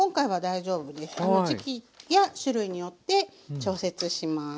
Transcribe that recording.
時期や種類によって調節します。